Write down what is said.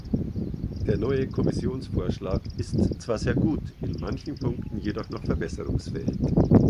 Der neue Kommissionsvorschlag ist zwar sehr gut, in manchen Punkten jedoch noch verbesserungsfähig.